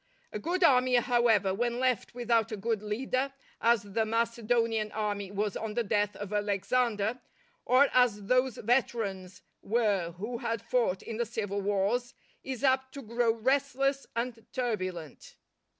A good army, however, when left without a good leader, as the Macedonian army was on the death of Alexander, or as those veterans were who had fought in the civil wars, is apt to grow restless and turbulent.